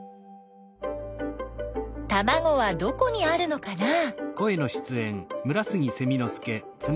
たまごはどこにあるのかなあ。